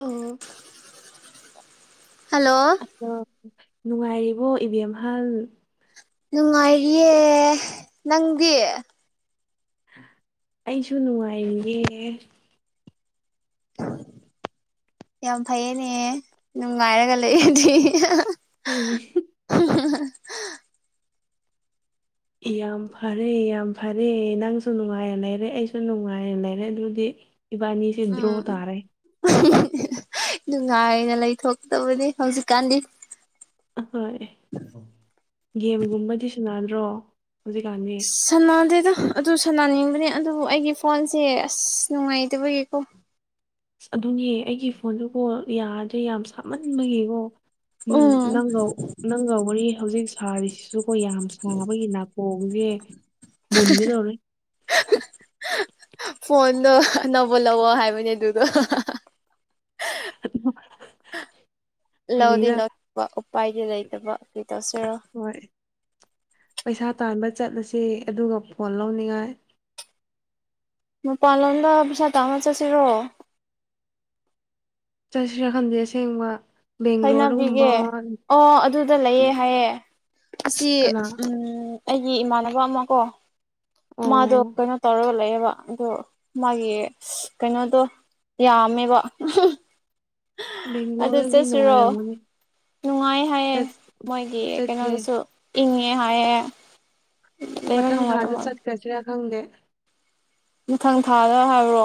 ꯑꯣ ꯍꯜꯂꯣ ꯑꯗꯣ ꯅꯨꯡꯉꯥꯏꯔꯤꯕꯣ ꯏꯕꯦꯝꯍꯜ ꯅꯪꯒꯤ ꯑꯩꯁꯨ ꯅꯨꯡꯉꯥꯏꯔꯤꯌꯦꯦ ꯌꯥꯝ ꯐꯩꯌꯦꯅꯦ ꯅꯨꯡꯉꯥꯏꯔꯒ ꯂꯩꯔꯗꯤ ꯎꯝ ꯌꯥꯝ ꯐꯔꯦ ꯌꯥꯝ ꯐꯔꯦ ꯅꯪꯁꯨ ꯅꯨꯡꯉꯥꯏꯅ ꯂꯩꯔꯦ ꯑꯩꯁꯨ ꯅꯨꯡꯉꯥꯏꯅ ꯂꯩꯔꯦ ꯑꯗꯨꯗꯤ ꯏꯕꯥꯅꯤꯁꯤ ꯏꯗ꯭ꯔꯣ ꯎꯝ ꯇꯥꯔꯦ ꯅꯨꯡꯉꯥꯏꯅ ꯂꯩꯊꯣꯛꯇꯕꯅꯤ ꯍꯧꯖꯤꯛꯀꯥꯟꯗꯤ ꯑꯍꯣꯏ ꯒꯦꯝꯒꯨꯝꯕꯗꯤꯁꯨ ꯗ꯭ꯔꯣ ꯁꯅꯥꯗꯗ ꯑꯗꯨ ꯁꯅꯅꯤꯡꯕꯅꯦ ꯑꯗꯨꯕꯨ ꯑꯩꯒꯤ ꯐꯣꯟꯁꯦ ꯑꯁ ꯅꯨꯡꯉꯥꯏꯇꯕꯒꯤꯀꯣ ꯑꯁ ꯑꯗꯨꯅꯦ ꯑꯩꯒꯤ ꯐꯣꯟꯗꯨꯀꯣ ꯌꯥꯔꯗ꯭ꯔꯦ ꯌꯥꯝ ꯁꯥꯃꯟꯕꯒꯤꯀꯣ ꯎꯝ ꯅꯪꯒ ꯅꯪꯒ ꯋꯥꯔꯤ ꯍꯧꯖꯤꯛ ꯁꯥꯔꯤꯁꯤ ꯁꯨꯀꯣ ꯌꯥꯝ ꯁꯥꯥꯡꯕꯒꯤ ꯅꯥꯀꯣꯡꯁꯦ ꯃꯨꯟꯒꯗꯧꯔꯦ ꯐꯣꯟ ꯅꯕꯣꯂꯣ ꯍꯥꯏꯕꯅꯦ ꯑꯗꯨꯗ ꯑ ꯂꯧꯗꯤ ꯂꯧꯕ ꯎꯄꯥꯏꯗꯤ ꯂꯩꯇꯕ ꯀꯩ ꯇꯧꯁꯤꯔꯣ ꯍꯣꯏ ꯄꯩꯁꯥ ꯇꯥꯟꯕ ꯆꯠꯂꯁ ꯑꯗꯨꯒ ꯐꯣꯟ ꯂꯧꯅꯤꯡꯉꯥꯏ ꯃꯄꯥꯟꯂꯣꯝꯗ ꯄꯩꯁꯥ ꯇꯥꯃ ꯆꯠꯁꯤꯔꯣ ꯆꯠꯁꯤꯔ ꯈꯟꯗꯦ ꯑꯁꯦꯡꯕ ꯕꯦꯡꯒ꯭ꯂꯣꯔꯒꯨꯝꯕ ꯍꯅꯕꯤꯒꯦ ꯑꯣ ꯑꯗꯨꯗ ꯂꯩꯌꯦꯦ ꯍꯥꯏꯌꯦꯦ ꯑꯁꯤ ꯀꯅꯥ ꯑꯩꯒꯤ ꯏꯃꯥꯟꯅꯕ ꯑꯃ ꯀꯣ ꯑꯣ ꯃꯥꯗꯣ ꯀꯩꯅꯣ ꯇꯧꯔꯒ ꯂꯩꯌꯦꯕ ꯑꯗ ꯃꯥꯒꯤ ꯀꯩꯅꯣꯗꯣ ꯌꯥꯃꯦꯕ ꯕꯦꯡꯒꯂꯣꯔꯗꯤ ꯅꯨꯡꯉꯥꯏꯔꯃꯅꯦ ꯅꯨꯡꯉꯥꯏ ꯍꯥꯏꯑꯦ ꯃꯣꯏꯒꯤ ꯆꯠꯁꯦ ꯀꯩꯅꯣꯗꯨꯁꯨ ꯏꯪꯉꯦ ꯍꯥꯏꯑꯦ ꯃꯊꯪ ꯊꯥꯗ ꯆꯠꯈ꯭ꯔꯁꯤꯔꯥ ꯈꯪꯗꯦ ꯃꯊꯪ ꯊꯥꯗ ꯍꯥꯏꯕ꯭ꯔꯣ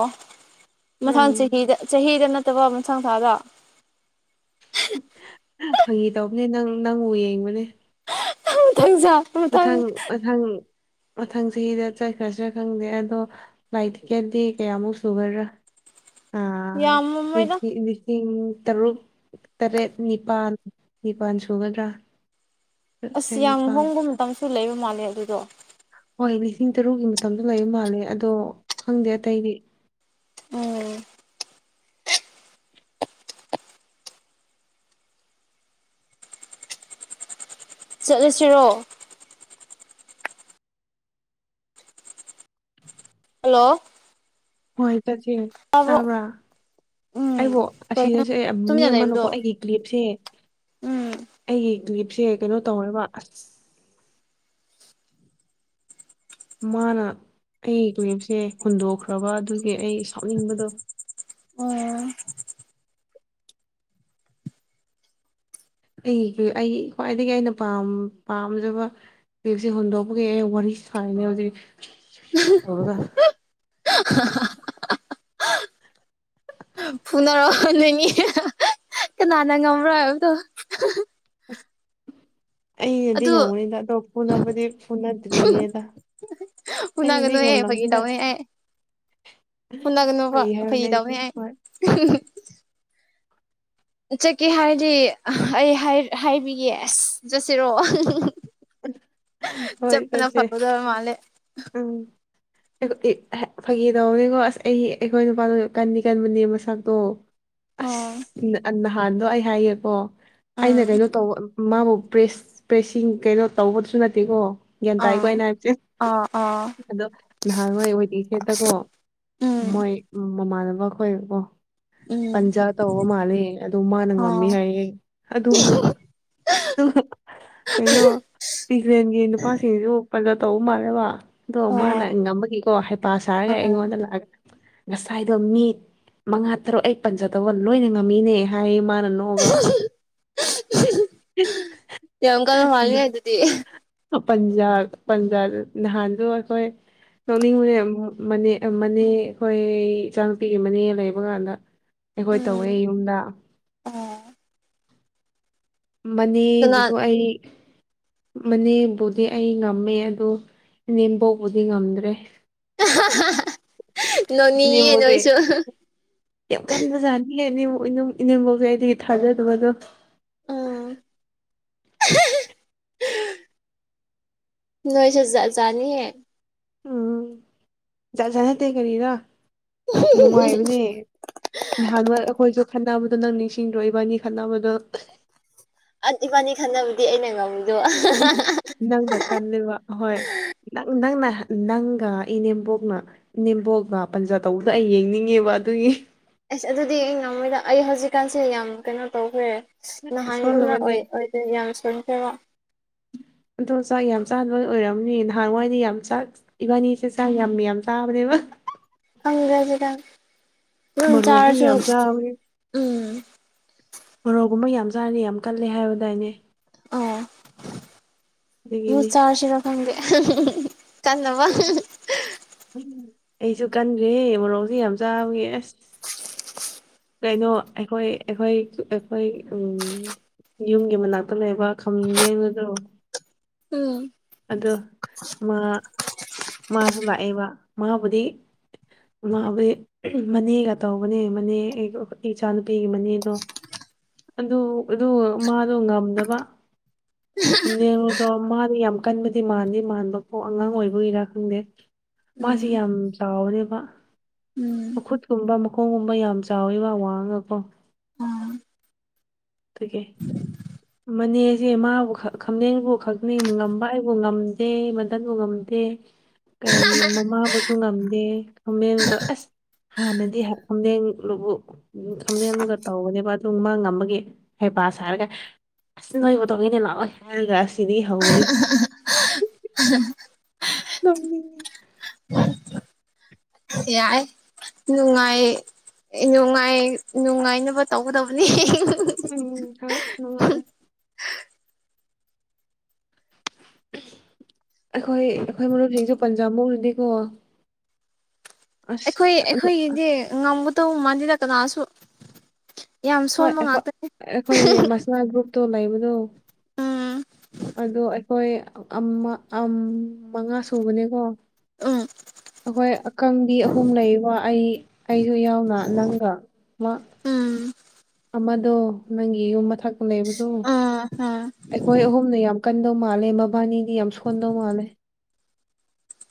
ꯎꯝ ꯃꯊꯪ ꯆꯍꯤꯗ ꯆꯍꯤꯗ ꯠꯇꯕ ꯑꯃꯁꯪ ꯊꯥꯒ ꯐꯩ ꯇꯧꯕꯅꯦ ꯅꯪ ꯅꯪꯕꯨ ꯌꯦꯡꯕꯅꯦ ꯃꯊꯪ ꯊꯥ ꯃꯊꯪ ꯃꯊꯪ ꯃꯊꯪ ꯆꯍꯤꯗ ꯆꯠꯈ꯭ꯔꯁꯤ꯭ꯔꯥ ꯈꯪꯗꯦ ꯑꯗꯣ ꯂꯥꯏꯠ ꯇꯤꯀꯦꯗꯤ ꯀꯌꯥꯃꯨꯛ ꯁꯨꯒꯗ꯭ꯔꯥ ꯑꯥ ꯌꯥꯝꯃꯝꯃꯣꯏꯗ [unintelligible] ꯂꯤꯁꯤꯡ ꯇꯔꯨꯛ ꯇꯔꯦꯠ ꯅꯤꯄꯥꯜ ꯅꯤꯄꯥꯜ ꯁꯨꯒꯗ꯭ꯔꯥ ꯑꯁ ꯇꯔꯦꯠ ꯌꯥꯝ ꯅꯤꯄꯥꯜ ꯍꯣꯡꯕ ꯃꯇꯝꯁꯨ ꯂꯩꯕ ꯃꯥꯜꯂꯦ ꯑꯗꯨꯗꯣ ꯍꯣꯏ ꯂꯤꯁꯤꯡ ꯇꯔꯨꯛꯒꯤ ꯃꯇꯝꯗ ꯂꯩꯕ ꯃꯥꯜꯂꯦ ꯑꯗꯣ ꯈꯪꯗꯦ ꯑꯇꯩꯗꯤ ꯎꯝ ꯆꯠꯂꯨꯁꯤꯔꯣ ꯍꯜꯂꯣ ꯇꯥꯕ꯭ꯔꯣ ꯇꯕꯔꯥ ꯎꯝ ꯑꯩꯕꯨꯣ ꯀꯩꯅꯣ ꯑꯁꯤꯗꯁꯨꯦ ꯃꯤ ꯇꯨꯃꯤꯟꯅ ꯑꯃꯅꯨꯀꯣ ꯂꯩꯕꯗꯣ ꯑꯩꯒꯤ ꯀ꯭ꯂꯤꯞꯁꯦ ꯎꯝ ꯑꯩꯒꯤ ꯀ꯭ꯋꯞꯁꯦ ꯀꯩꯅꯣ ꯇꯧꯔꯕ ꯑꯁ ꯃꯥꯅ ꯑꯩ ꯇꯨꯋꯞꯁꯦ ꯍꯨꯟꯗꯣꯛꯈ꯭ꯔꯕ ꯑꯗꯨꯒꯤ ꯑꯩ ꯁꯥꯎꯅꯤꯡꯕꯗꯣ ꯑꯩꯒꯤ ꯑꯩꯒꯤ ꯈ꯭ꯋꯥꯏꯗꯒꯤ ꯑꯩꯅ ꯄꯥꯝꯖꯕ ꯐꯦꯛꯁꯦ ꯍꯨꯟꯗꯣꯛꯄꯒꯤ ꯑꯩ ꯋꯥꯔꯤ ꯁꯥꯏꯅꯦ ꯍꯧꯖꯤꯛ ꯇꯧꯔꯒ ꯐꯨꯅꯔꯛ ꯂꯩꯅꯤ ꯀꯅꯥꯅ ꯉꯝꯔꯣꯏ ꯍꯥꯏꯕꯗꯣ ꯑꯩꯩꯅꯗꯤ ꯑꯗꯨ ꯉꯝꯅꯤꯗ ꯑꯗꯣ ꯐꯨꯕꯨꯗꯤ ꯐꯨꯅꯗ꯭ꯔꯤꯉꯦꯗ ꯍꯅꯥꯒꯅꯨꯍꯦ ꯐꯥꯒꯤ ꯇꯧꯅꯦꯍ ꯍꯨꯂꯒꯅꯣꯕ ꯐꯒꯤ ꯍꯥꯏꯕꯅꯦ ꯐꯩ ꯑꯩꯁꯨ ꯇꯎꯅꯦ ꯍꯥꯏ ꯍꯣꯏ ꯆꯠꯀꯦ ꯍꯥꯏꯔꯗꯤ ꯑꯩ ꯍꯥꯏꯕꯤꯒꯦ ꯑꯁ ꯆꯠꯁꯤꯔꯣꯑꯣ ꯍꯣꯏ ꯇꯁꯦ ꯐꯒꯗꯕ ꯃꯥꯜꯂꯦ ꯎꯝ ꯐꯥꯩ ꯇꯧꯕꯅꯦꯀꯣ ꯑꯁ ꯑꯩ ꯑꯩꯈꯣꯏ ꯅꯨꯄꯥꯗꯣ ꯀꯟꯅꯤ ꯀꯟꯕꯅꯦ ꯃꯁꯇꯣ ꯑꯣ ꯑꯁ ꯅꯍꯥꯟꯗꯣ ꯑꯩ ꯍꯥꯏꯌꯦꯦꯀꯣ ꯑꯩꯅ ꯎꯝ ꯀꯩꯅꯣ ꯇꯧꯕ ꯃꯥꯕꯨ ꯄ꯭ꯔꯦꯁ ꯄ꯭ꯔꯦꯁꯁꯤꯡ ꯀꯩꯅꯣ ꯇꯧꯕꯗꯨꯁꯨ ꯅꯠꯇꯦꯀꯣ ꯒ꯭ꯌꯥꯟ ꯇꯥꯥꯏꯀꯣ ꯑꯥ ꯑꯩꯅ ꯍꯥꯏꯕꯁꯦ ꯑꯥ ꯑꯥ ꯑꯗꯣ ꯅꯍꯥꯟꯋꯥꯏ ꯑꯣꯏꯔꯛꯏꯁꯦꯠꯇꯀꯣ ꯎꯝ ꯃꯣꯏ ꯃꯃꯥꯟꯅꯕ ꯈꯣꯏꯕꯣ ꯎꯝ ꯄꯟꯖꯥ ꯇꯧꯕ ꯃꯥꯜꯂꯦ ꯑꯗꯨ ꯃꯥꯅ ꯉꯝꯃꯤ ꯑꯣ ꯍꯥꯏꯌꯦ ꯑꯗꯨꯒ ꯀꯩꯅꯣ ꯇꯨꯔꯦꯟꯒꯤ ꯅꯨꯄꯥꯁꯤꯡꯁꯨ ꯐꯒ ꯇꯧꯕ ꯃꯥꯜꯂꯦꯕ ꯑꯗꯣ ꯃꯥꯅ ꯑꯣ ꯉꯝꯕꯒꯤꯀꯣ ꯍꯩꯄꯥ ꯁꯥꯔꯒ ꯎꯝ ꯑꯩꯉꯣꯟꯗ ꯂꯥꯛꯑꯒ ꯉꯁꯥꯏꯗꯣ ꯃꯤ ꯃꯉꯥ ꯇꯔꯨꯛ ꯑꯩ ꯄꯟꯖꯗꯧꯕ ꯂꯣꯏꯅ ꯉꯝꯃꯤꯅꯦ ꯍꯥꯏꯌꯦ ꯃꯥ ꯃꯅꯒ ꯀ ꯌꯥꯝ ꯀꯟꯅ [unintelligible] ꯄꯟꯖꯥ ꯄꯟꯖꯥ ꯅꯍꯥꯟꯗꯨ ꯑꯩꯈꯣꯏ ꯅꯣꯛꯅꯤꯡꯕꯅꯦ ꯑꯃꯨꯅꯦ ꯃꯅꯦ ꯑꯩꯈꯣꯏ ꯏꯆꯥ ꯅꯨꯄꯤꯒꯤ ꯃꯅꯦ ꯂꯩꯕ ꯀꯥꯟꯗ ꯑꯩꯈꯣꯏ ꯎꯝ ꯇꯧꯋꯦ ꯌꯨꯝꯗ ꯑꯣ ꯀꯅꯥ ꯃꯅꯦꯕꯨꯁꯨ ꯑꯩ ꯃꯅꯦꯕꯨꯗꯤ ꯑꯩ ꯉꯝꯃꯦ ꯑꯗꯨ ꯏꯅꯦꯝꯕꯕꯨꯗꯤ ꯉꯝꯗ꯭ꯔꯦ ꯅꯣꯡꯅꯤꯌꯦ ꯏꯅꯦꯝꯕꯣꯛꯁꯦ ꯅꯣꯏꯁꯨ ꯌꯥꯝ ꯀꯟꯕꯖꯥꯅꯤ ꯏ ꯏꯅꯤꯡꯐꯧꯒꯤ ꯑꯩꯗꯒꯤ ꯊꯥꯖꯗꯕꯗꯣ ꯎꯝ ꯅꯣꯏꯁꯖꯅꯤ ꯍꯥꯏ ꯎꯝꯖꯅꯠꯇ ꯀꯔꯤꯔ ꯅꯨꯡꯉꯥꯏꯕꯅꯦ ꯅꯍꯥꯟꯋꯥ ꯑꯩꯈꯣꯏꯁꯨ ꯈꯠꯅꯕꯗꯣ ꯅꯪ ꯅꯤꯡꯁꯤꯡꯗꯣꯏꯕꯥꯅꯤ ꯈꯠꯅꯕꯗꯣ ꯏꯕꯥꯅꯤ ꯈꯟꯅꯕꯨꯗꯤ ꯑꯩꯅ ꯉꯥꯎꯗ ꯅꯪꯅ ꯀꯜꯂꯤꯕ ꯍꯣꯏ ꯅꯪ ꯅꯪꯅ ꯅꯪꯒ ꯏꯅꯦꯝꯕꯣꯛꯅ ꯏꯅꯦꯝꯕꯣꯛꯒ ꯄꯟꯖ ꯇꯧꯕꯗ ꯑꯩ ꯌꯦꯡꯅꯤꯡꯉꯦꯕ ꯑꯗꯨꯒꯤ ꯑꯁ ꯑꯗꯨꯗꯤ ꯑꯩ ꯉꯃꯣꯏꯗ ꯑꯩ ꯍꯧꯖꯤꯛꯀꯥꯟꯁꯤꯗ ꯌꯥꯝ ꯀꯩꯅꯣ ꯇꯧꯈ꯭ꯔꯦ ꯑ ꯑꯁ ꯅꯍꯥꯟꯒꯨꯝꯅ ꯁꯣꯜꯂꯕꯅꯦ ꯑꯣꯏ ꯑꯣꯏꯗ ꯌꯥꯝ ꯁꯣꯟꯈꯔ ꯑꯗꯣ ꯆꯥꯛ ꯌꯥꯝ ꯆꯥꯅꯕ ꯑꯣꯏꯔꯝꯅꯤ ꯅꯍꯥꯟꯋꯥꯏꯗꯤ ꯌꯥꯝ ꯆꯥꯛ ꯏꯕꯥꯅꯤꯁꯦ ꯆꯥꯛ ꯌꯥꯝ ꯌꯥꯝ ꯆꯥꯕꯅꯦ ꯋꯥ ꯑꯪ꯭ꯔꯖꯗ ꯃꯔꯣꯛꯁꯨ ꯌꯥꯝ ꯆꯥꯎꯋꯦ ꯎꯝ ꯃꯔꯣꯛꯒꯨꯝꯕ ꯌꯥꯝ ꯑꯣꯖꯥꯅꯤ ꯌꯥꯝ ꯀꯜꯂꯦ ꯍꯥꯏꯗꯥꯏꯅꯦ ꯑꯣ ꯃ ꯑꯗꯨꯒꯤꯅꯤ ꯆꯥ ꯁꯔ ꯈꯪꯒ ꯀꯃ ꯑꯩꯁꯨ ꯀꯟꯈ꯭ꯔꯦ ꯃꯣꯔꯣꯛꯁꯦ ꯌꯥꯝ ꯆꯥꯕꯒꯤ ꯑꯁ ꯀꯩꯅꯣ ꯑꯩꯈꯣꯏ ꯑꯩꯈꯣꯏ ꯑꯩꯈꯣꯏ ꯎꯝ ꯌꯨꯝꯒꯤ ꯃꯅꯥꯛꯇ ꯂꯩꯕ ꯈꯝ ꯌꯦꯡꯅꯗ꯭ꯔꯣ ꯎꯝ ꯑꯗꯣ ꯃꯥ ꯃꯥꯁꯨ ꯂꯥꯛꯑꯦꯕ ꯃꯥꯕꯨꯗꯤ ꯃꯃꯥꯕꯨꯗꯤ ꯃꯅꯦꯒ ꯇꯧꯕꯅꯦ ꯃꯅꯦ ꯏꯆꯥꯅꯨꯄꯤꯒꯤ ꯃꯅꯦꯗꯣ ꯑꯗꯨ ꯑꯗꯨ ꯃꯥꯗꯣ ꯉꯝꯗꯕ ꯍꯅꯗꯃꯅꯤ ꯌꯥꯝ ꯑꯀꯟꯕꯗꯤ ꯃꯥꯟꯗꯦ ꯃꯥꯟꯕꯐꯥꯎ ꯑꯉꯥꯡ ꯑꯣꯏꯕꯒꯤꯔꯥ ꯈꯪꯗꯦ ꯃꯥꯁꯦ ꯎꯝ ꯌꯥꯝ ꯆꯥꯎꯔꯦꯕ ꯎꯝ ꯃꯈꯨꯠꯀꯨꯝꯕ ꯃꯈꯣꯡꯒꯨꯝꯕ ꯌꯥꯝ ꯆꯥꯎꯋꯤ ꯋꯥ ꯋꯥꯡꯉꯀꯣ ꯑꯥ ꯇꯗꯒꯤ ꯃꯅꯦꯁꯦ ꯃꯥꯕꯨ ꯈꯝꯗꯦꯛꯕꯨ ꯈꯛꯅꯤꯡ ꯉꯝꯕ ꯑꯩꯕꯨ ꯉꯝꯗꯦ ꯃꯗꯟꯕꯨ ꯉꯝꯗꯦ ꯀꯔꯤ ꯃꯃꯥꯕꯨꯁꯨ ꯉꯝꯗꯦ ꯈꯝꯃꯦ ꯑꯁ ꯍꯥꯟꯅꯗꯤ ꯈꯝꯂꯦꯟꯗꯨꯕꯨ ꯈꯝꯗꯦꯟꯗꯨꯒ ꯇꯧꯕꯅꯦꯕ ꯑꯗꯨ ꯃꯥ ꯉꯝꯃꯒ ꯍꯩꯕꯥꯁ ꯍꯥꯏꯔꯒ ꯑꯁꯤꯁ ꯅꯣꯏꯕ ꯇꯧꯏꯅꯦ ꯂꯥꯛꯑꯣꯏ ꯍꯥꯏꯔꯒ ꯑꯁꯤꯗꯒꯤ ꯏꯍꯧꯕꯅꯦ ꯎꯝ ꯉꯝ ꯌꯥꯏ ꯅꯨꯡꯉꯥꯏ ꯅꯨꯡꯉꯥꯏ ꯅꯨꯡꯉꯥꯏꯅꯕ ꯇꯧꯒꯗꯕꯅꯦ ꯎꯝ ꯍꯅꯨꯡꯅꯤ ꯑꯩꯈꯣꯏ ꯑꯩꯈꯣꯏ ꯃꯔꯨꯞꯁꯤꯡꯁꯨ ꯄꯟꯖꯥ ꯃꯧꯔꯨꯅꯤꯀꯣ ꯑꯩꯈꯣꯏ ꯑꯩꯈꯣꯏꯒꯤꯗꯤ ꯉꯝꯒꯗꯧꯕ ꯃꯥꯜꯜꯂꯤꯗ ꯀꯅꯥꯁꯨ ꯌꯥꯝ ꯁꯣꯟꯕ ꯍꯣꯏꯈꯣꯏ ꯉꯥꯛꯇꯅꯤ ꯑꯩꯈꯣꯏꯒꯤ ꯃꯁꯥ ꯒ꯭ꯔꯨꯞꯇꯣ ꯂꯩꯕꯗꯣ ꯎꯝ ꯑꯗꯣ ꯑꯩꯈꯣꯏ ꯃꯉꯥ ꯁꯨꯕꯅꯦꯀꯣ ꯎꯝ ꯑꯩꯈꯣꯏ ꯑꯀꯪꯕꯤ ꯑꯍꯨꯝ ꯂꯩꯕ ꯑꯩ ꯑꯩꯁꯨ ꯌꯥꯎꯅ ꯅꯪꯒ ꯎꯝ ꯑꯃꯗꯣ ꯅꯪꯒꯤ ꯌꯨꯝ ꯃꯊꯛꯄ ꯂꯩꯕꯗꯣ ꯎꯝ ꯎꯝ ꯑꯩꯈꯣꯏ ꯑꯍꯨꯝꯅ ꯌꯥꯝ ꯀꯟꯗꯧ ꯃꯥꯜꯂꯦ ꯃꯕꯥꯅꯤꯗꯤ ꯌꯥꯝ ꯁꯣꯟꯗꯧ ꯃꯥꯜꯂꯦ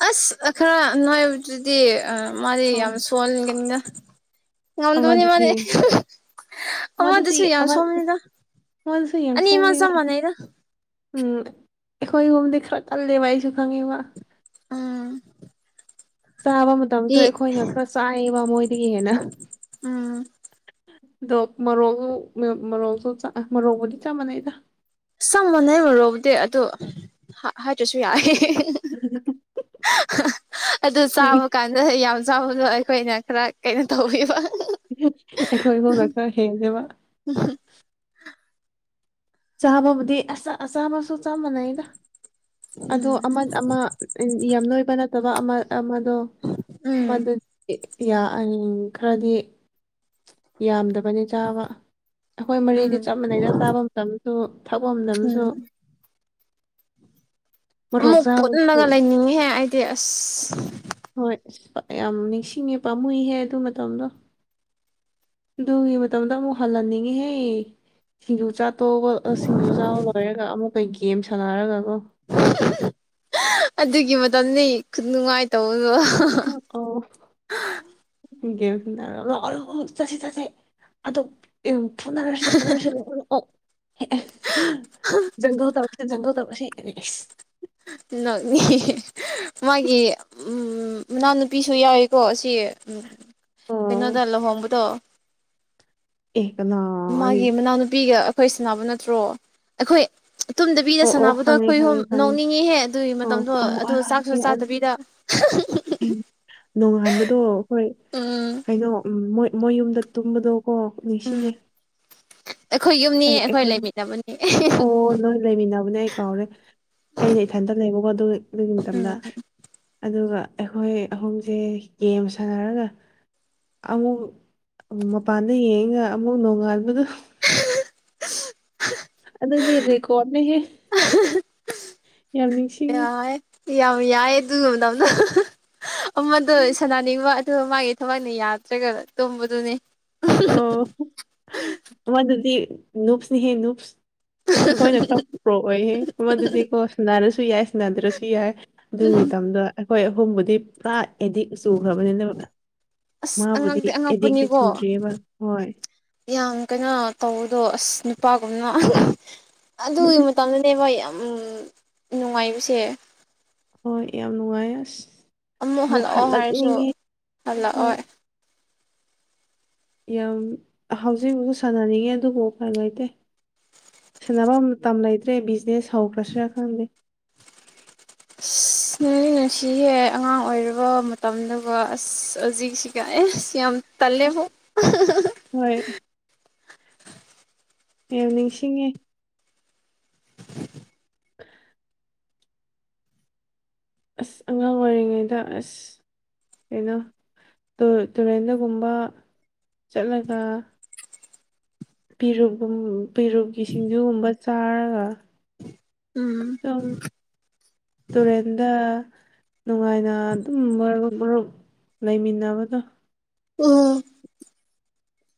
ꯑꯁ ꯈꯔ ꯅꯣꯏꯕꯗꯨꯗꯤ ꯃꯥꯗꯤ ꯑꯥ ꯌꯥꯝ ꯁꯣꯜꯂꯤꯒꯅꯤꯅ ꯉꯗꯕꯨꯅꯤ ꯑꯃꯗꯨꯗꯤ ꯃꯅꯦ ꯑꯃꯗꯨꯗꯤ ꯑꯃꯗꯁꯨ ꯌꯥꯝ ꯑꯃ ꯁꯣꯕꯅꯤꯗ ꯑꯃꯗꯨꯁꯨ ꯌꯥꯝ ꯑꯅꯤꯃ ꯁꯣꯜꯂꯤ ꯆꯞ ꯍꯣꯏ ꯃꯥꯟꯅꯩꯗ ꯎꯝ ꯑꯩꯈꯣꯏꯒꯣꯝꯗꯤ ꯈꯔ ꯀꯜꯂꯦꯕ ꯑꯩꯁꯨ ꯈꯪꯉꯦꯕ ꯑꯝ ꯆꯥꯕ ꯃꯇꯝꯁꯨ ꯑꯩꯈꯣꯏꯅ ꯈꯔ ꯆꯥꯏꯌꯦꯕ ꯃꯣꯏꯗꯒꯤ ꯍꯦꯟꯅ ꯎꯝ ꯑꯗꯣ ꯃꯔꯣꯛꯁꯨ ꯃꯔꯣꯛꯁꯨ ꯃꯔꯣꯛꯕꯨꯗꯤ ꯆꯞ ꯃꯥꯟꯅꯩꯗ ꯁꯪ ꯃꯣꯅꯩꯃꯨꯔꯣꯕꯨꯗꯤ ꯑꯗꯣ ꯍꯥꯏꯗ꯭ꯔꯁꯨ ꯌꯥꯏꯦ ꯑꯗꯨ ꯅꯪꯒꯤ ꯆꯥꯕ ꯀꯥꯟꯗ ꯌꯥꯝ ꯆꯥꯎꯕꯗꯣ ꯑꯩꯈꯣꯏꯅ ꯈꯔ ꯀꯩꯅꯣ ꯇꯧꯕꯤꯕ ꯑꯩꯈꯣꯏ ꯍꯣꯟꯗ ꯈꯔ ꯍꯦꯟꯉꯦꯕ ꯆꯥꯝꯃꯕꯨꯗꯤ ꯆꯥꯝꯃꯁꯨ ꯆꯥ ꯃꯥꯟꯅꯩꯗ ꯑꯗꯣ ꯎꯝ ꯑꯃ ꯑꯃ ꯌꯥꯝ ꯅꯣꯏꯕ ꯅꯠꯇꯕ ꯑꯃ ꯑꯃꯗꯣ ꯎꯝ ꯃꯗꯨꯗꯤ ꯌꯥꯑꯅꯤ ꯈꯔꯗꯤ ꯌꯥꯝꯗꯕꯅꯦ ꯆꯥꯕ ꯑꯩꯈꯣꯏ ꯎꯝ ꯃꯔꯤꯗꯤ ꯆꯞ ꯃꯥꯟꯅꯩꯅ ꯆꯥꯕ ꯃꯇꯝꯗꯁꯨ ꯊꯛꯄ ꯃꯇꯝꯁꯨ ꯎꯝ ꯃꯣꯔꯣꯛ ꯑꯃꯨꯛ ꯆꯥꯕꯒꯤꯁꯨ ꯄꯨꯜꯂꯒ ꯂꯩꯅꯤꯡꯉꯦꯍꯦ ꯑꯩꯗꯤ ꯑꯁ ꯑ ꯌꯥꯝ ꯅꯤꯡꯁꯤꯡꯉꯦ ꯄꯥꯝꯃꯨꯏꯍꯦ ꯑꯗꯨ ꯃꯇꯝꯗꯣ ꯑꯗꯨꯒꯤ ꯃꯇꯝꯗ ꯑꯃꯨꯛ ꯍꯜꯍꯟꯅꯤꯡꯉꯤꯍꯦ ꯁꯤꯡꯖꯨ ꯆꯥ ꯑꯇꯣꯧꯕ ꯁꯤꯡꯖꯨ ꯆꯥꯕ ꯂꯣꯏꯔꯒ ꯑꯃꯨꯛꯀꯩ ꯒꯦꯝ ꯁꯥꯟꯅꯔꯒꯀꯣ ꯑꯗꯨꯒꯤ ꯃꯇꯝꯅꯦ ꯅꯨꯡꯉꯥꯏꯇꯧꯅꯣ ꯦꯝꯔ ꯂ ꯆꯠꯁꯤ ꯆꯠꯁꯤ ꯑꯗꯨ ꯐꯨꯅꯔꯁꯤ ꯐꯨꯅꯔꯁꯤ ꯂ ꯑꯣꯑꯣꯪꯒ ꯇ ꯆꯪꯧ ꯇꯧꯕꯁꯦ ꯅꯪꯅꯤ ꯃꯥꯒꯤ ꯎꯝ ꯃꯅꯥꯎꯅꯨꯄꯤꯁꯨ ꯌꯥꯎꯏꯀꯣ ꯑꯁꯤ ꯎꯝ ꯑꯣ ꯄꯩꯅꯗꯂꯣ ꯍꯣꯝꯕꯗꯣ ꯑꯦ ꯀꯅꯥ ꯑꯩ ꯃꯥꯒꯤ ꯃꯅꯥꯎꯅꯨꯄꯤꯒ ꯑꯩꯈꯣꯏ ꯁꯅꯕ ꯅꯠꯇ꯭ꯔꯣ ꯑꯩꯈꯣꯏ ꯇꯨꯝꯗꯕꯤꯗ ꯑꯣ ꯑꯣ ꯁꯥꯟꯅꯕꯗꯣ ꯈꯪꯉꯦ ꯑꯩꯈꯣꯏ ꯍꯣ ꯈꯪꯉꯦ ꯈꯪꯉꯦ ꯑꯦꯍꯦ ꯑꯗꯨꯒꯤ ꯑꯣ ꯃꯇꯝꯗꯣ ꯑꯣ ꯑꯗꯨꯗꯣ ꯑꯔꯥ ꯆꯥꯛꯁꯨ ꯑꯩ ꯑꯗꯨ- ꯆꯥꯗꯕꯤꯗ ꯑꯩ ꯅꯣꯡꯉꯥꯟꯕꯗꯣ ꯍꯣꯏ ꯎꯝ ꯀꯩꯅꯣ ꯃꯣꯏ ꯃꯣꯏꯌꯨꯝꯗ ꯇꯨꯝꯕꯗꯣ ꯀ ꯅꯤꯡꯁꯤꯡꯉꯦ ꯑꯩꯈꯣꯏ ꯌꯨꯝꯅꯤ ꯑꯩꯈꯣꯏ ꯂꯩꯃꯤꯟꯅꯕꯅꯤ ꯑꯣ ꯅ ꯂꯩꯃꯤꯟꯅꯕꯅꯦ ꯑꯩ ꯀꯥꯎꯔꯦ ꯑꯩꯅ ꯏꯊꯟꯇ ꯂꯩꯕꯀꯣ ꯑꯗꯨ ꯑꯗꯨꯒꯤ ꯃꯇꯝꯗ ꯑꯗꯨꯒ ꯑꯩꯈꯣꯏ ꯑꯍꯨꯝꯁꯦ ꯒꯦꯝ ꯁꯥꯟꯅꯔꯒ ꯑꯃꯨꯛ ꯃꯄꯥꯟꯗ ꯌꯦꯡꯉ ꯑꯃꯨꯛ ꯅꯣꯡꯉꯥꯟꯕꯗ ꯑꯗꯨꯗꯗꯤ ꯏꯔꯔꯤꯦ ꯀꯣꯃꯦꯦ ꯌꯥꯝ ꯅꯤꯡꯁꯤꯡꯉꯤ ꯌꯥꯏ ꯌꯥꯝ ꯌꯥꯏꯌꯦ ꯇ ꯉꯗꯗ ꯑꯃꯗꯣ ꯁꯅꯅꯤꯡꯕ ꯑꯗꯨꯒ ꯃꯥꯒꯤ ꯊꯕꯛꯅ ꯌꯥꯗ꯭ꯔꯒ ꯇꯨꯝꯝꯕꯗꯨꯅꯦ ꯑꯣ ꯃꯥ ꯑꯗꯨꯗꯤ ꯅꯨꯨꯞꯁꯅꯤꯍꯦ ꯅꯨꯁ ꯑꯩꯈꯣꯏꯅ ꯈꯔ ꯄ꯭ꯔꯣꯛꯑꯣꯌꯦꯦ ꯃꯗꯨꯗꯤ ꯀꯣ ꯁꯟꯅꯔꯁꯨ ꯌꯥꯏ ꯁꯟꯅꯗ꯭ꯔꯁꯨ ꯌꯥꯏ ꯑꯗꯨꯒꯤ ꯃꯇꯝꯗ ꯑꯩꯈꯣꯏ ꯑꯍꯨꯝꯕꯨꯗꯤ ꯄꯨꯔꯥ ꯑꯦꯗꯤꯛ ꯆꯨꯈ꯭ꯔꯕꯅꯤꯠꯇꯕ ꯑꯁ ꯃꯥꯕꯨꯗꯤ ꯑꯉꯛꯇꯤ ꯑꯦꯗꯤꯛꯇꯤ ꯑꯉꯛꯄꯅꯤꯀꯣ ꯆꯨꯗ꯭ꯔꯤꯑꯕ ꯍꯣꯏ ꯌꯥꯝ ꯀꯩꯅꯣ ꯇꯧꯕꯗꯣ ꯑꯁ ꯅꯨꯄꯥꯒꯨꯝꯅ ꯑꯗꯨꯒꯤ ꯃꯇꯝꯗꯅꯦꯕ ꯌꯥꯝ ꯅꯨꯡꯉꯥꯏꯕꯁꯦ ꯍꯣꯏ ꯌꯥꯝ ꯅꯨꯡꯉꯥꯏ ꯑꯁ ꯑꯃꯨꯛ ꯍꯜꯂꯛꯑꯣ ꯍꯥꯏꯔꯁꯨ ꯍꯜꯂꯛꯅꯤꯡꯉꯦ ꯍꯣꯏ ꯍꯜꯂꯛꯑꯣꯏ ꯌꯥꯝ ꯍꯧꯖꯤꯛꯐꯥꯎ ꯁꯥꯟꯅꯅꯤꯡꯉꯦ ꯑꯗꯨꯕꯨ ꯀꯥꯏꯉꯥꯏꯇꯦ ꯁꯥꯟꯐꯝ ꯃꯇꯝ ꯂꯩꯇ꯭ꯔꯦ ꯕꯤꯖꯤꯅꯦꯁ ꯍꯧꯈ꯭ꯔꯁꯤꯔꯥ ꯈꯪꯗꯦ ꯑꯁ ꯅꯣꯏꯒꯤ ꯅꯨꯡꯁꯤꯍꯦ ꯑꯉꯥꯡ ꯑꯣꯏꯔꯕ ꯃꯇꯝꯗꯨꯒ ꯑꯁ ꯍꯧꯖꯤꯛꯁꯤꯒ ꯑꯦ ꯁꯤ ꯌꯥꯝꯝ ꯇꯂꯦꯕꯣ ꯑꯁ ꯍꯣꯏ ꯑꯦ ꯅꯤꯡꯁꯤꯡꯉꯦ ꯑꯁ ꯑꯉꯥꯡ ꯑꯣꯏꯔꯤꯉꯩꯗ ꯑꯁ ꯀꯩꯅꯣ ꯇꯨꯔꯦꯟꯗꯒꯨꯝꯕ ꯆꯠꯂꯒ ꯄꯦꯔꯛꯨꯝ ꯄꯦꯔꯛꯀꯤ ꯁꯤꯡꯖꯨꯒꯨꯝꯕ ꯆꯥꯔꯒ ꯎꯝ ꯇꯨꯔꯦꯟꯗ ꯅꯨꯡꯉꯥꯏꯅ ꯑꯗꯨꯝ ꯃꯔꯨꯞ ꯃꯔꯨꯞ ꯂꯩꯃꯤꯟꯅꯕꯗ ꯎꯝ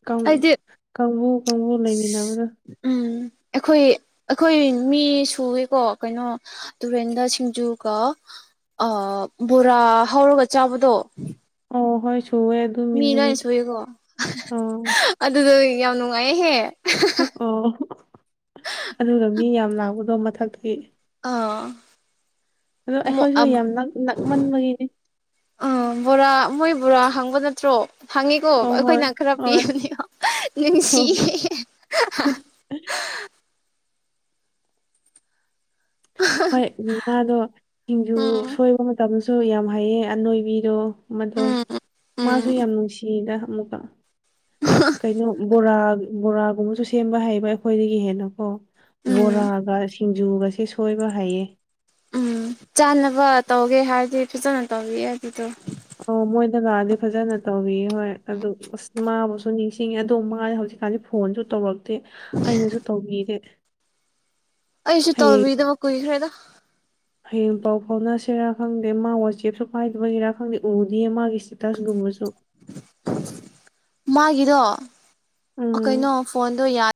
ꯀꯥꯡ ꯑꯩꯗꯤ ꯀꯥꯡꯕꯨ ꯀꯥꯡꯕꯨ ꯂꯩꯃꯤꯟꯅꯕꯗꯣ ꯎꯝ ꯑꯩꯈꯣꯏ ꯑꯩꯈꯣꯏ ꯃꯤ ꯁꯨꯒꯦꯀꯣ ꯀꯩꯅꯣ ꯇꯨꯔꯦꯟꯗ ꯁꯤꯡ ꯑꯗꯨꯒ ꯕꯣꯔꯥ ꯍꯧꯔꯒ ꯆꯥꯕꯗꯣ ꯑꯣ ꯍꯣꯏ ꯁꯨꯋꯦ ꯑꯗꯨ ꯃꯤꯟ ꯃꯤ ꯑꯗꯨꯥꯏꯅ ꯅꯨꯃꯤꯠ ꯁꯨꯏꯀꯣ ꯑꯣ ꯑꯗꯨꯗꯣ ꯌꯥꯝ ꯅꯨꯡꯉꯥꯏꯌꯦꯍꯦ ꯑꯣ ꯑꯗꯨꯒ ꯃꯤ ꯌꯥꯝ ꯂꯥꯛꯄꯗꯣ ꯃꯊꯛꯇꯒꯤ ꯑꯥ ꯑꯗꯣ ꯃ ꯑ ꯑꯩꯈꯣꯏꯁꯨ ꯌꯥꯝ ꯅꯛ ꯅꯛꯃꯟꯕꯒꯤꯅꯤ ꯣꯔ ꯃꯣꯏ ꯕꯣꯔꯥ ꯍꯪꯕ ꯅꯠꯇ꯭ꯔꯣ ꯍꯪꯉꯤꯀꯣ ꯑꯣ ꯍꯣꯏ ꯑꯩꯈꯣꯏꯅ ꯈꯔ ꯍꯣꯏ ꯄꯤꯕꯅꯤꯣ ꯅꯨꯡꯁꯤꯌꯦ [unintelligible] ꯍꯣꯏ ꯃꯥꯗꯣ ꯁꯤꯡꯖꯨ ꯎꯝ ꯁꯣꯏꯕ ꯃꯇꯝꯗ ꯁꯨ ꯌꯥꯝ ꯍꯩꯌꯦ ꯑꯅꯣꯏꯕꯤꯗꯣ ꯃꯗꯣ ꯎꯝ ꯃꯥꯁꯨ ꯎꯝ ꯌꯥꯝ ꯅꯨꯡꯁꯤꯌꯦꯗ ꯑꯃꯨꯀ ꯀꯩꯅꯣ ꯕꯣꯔꯥ ꯕꯣꯔꯥꯒꯨꯝꯕꯁꯨ ꯁꯦꯝꯕ ꯍꯩꯕ ꯑꯩꯈꯣꯏꯗꯒꯤ ꯍꯦꯟꯅꯀꯣ ꯎꯝ ꯕꯣꯔꯥꯒ ꯁꯤꯡꯖꯨꯒꯁꯦ ꯁꯣꯏꯕ ꯍꯥꯏꯩꯌꯦ ꯎꯝ ꯆꯥꯅꯕ ꯇꯧꯒꯦ ꯍꯥꯏꯔꯗꯤ ꯐꯖꯅ ꯇꯧꯕꯤꯑꯦ ꯑꯗꯨꯗꯣ ꯑꯣ ꯃꯣꯏꯗ ꯂꯥꯛꯑꯗꯤ ꯐꯖꯅ ꯇꯧꯋ ꯍꯣꯏ ꯑꯗꯨ ꯑꯁ ꯃꯥꯕꯨꯁꯨ ꯅꯤꯡꯁꯤꯡꯉꯤ ꯑꯗꯨ ꯃꯥ ꯍꯧꯖꯤꯛ ꯀ ꯀꯥꯟꯗ ꯐꯣꯟꯁꯨ ꯇꯧꯔꯛꯇꯦ ꯑꯩꯅꯁꯨ ꯇꯧꯕꯤꯔꯦ ꯑꯩꯁꯨ ꯇꯧꯕꯤꯗꯃ ꯀꯣꯏꯏ ꯈ꯭ꯔꯩꯗ ꯍꯌꯦꯡ ꯄꯥꯎ ꯐꯥꯎꯅꯁꯤꯔꯥ ꯈꯪꯗꯦ ꯃꯥ ꯋꯥꯆꯦꯞꯁꯨ ꯄꯥꯏꯗꯕꯒꯤꯔꯥ ꯈꯪꯗꯦ ꯎꯗ ꯃꯥꯒꯤ ꯏꯁꯇꯦꯇꯁꯒꯨꯝꯕꯁꯨ ꯃꯥꯒꯤꯗꯣ ꯎꯝ ꯀꯩꯅꯣ ꯐꯣꯟꯗꯣ ꯌꯥꯔ